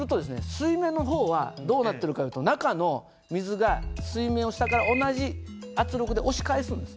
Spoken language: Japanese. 水面の方はどうなってるかというと中の水が水面を下から同じ圧力で押し返すんです。